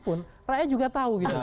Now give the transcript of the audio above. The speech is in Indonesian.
pun rakyatnya juga tahu